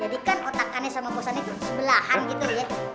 jadi kan otak an sama bos an itu sebelahan gitu ya